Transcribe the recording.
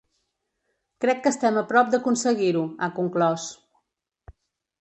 Crec que estem a prop d’aconseguir-ho, ha conclòs.